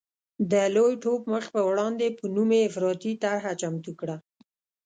د لوی ټوپ مخ په وړاندې په نوم یې افراطي طرحه چمتو کړه.